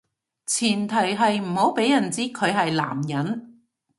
前提係唔好畀人知佢係男人